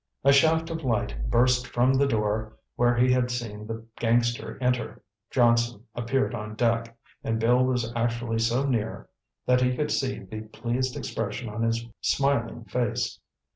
A shaft of light burst from the door where he had seen the gangster enter. Johnson appeared on deck, and Bill was actually so near that he could see the pleased expression on his smiling face.